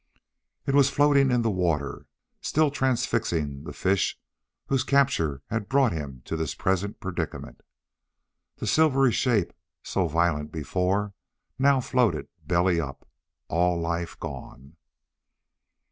It was floating in the water, still transfixing the fish whose capture had brought him to this present predicament. That silvery shape, so violent before, now floated belly up, all life gone.